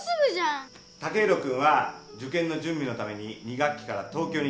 剛洋君は受験の準備のために２学期から東京に行きます。